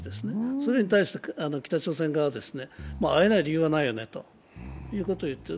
それに対して北朝鮮側は会えない理由はないよねということを言っている。